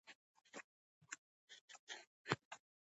آیا په میوند کې دوه قبرونه دي؟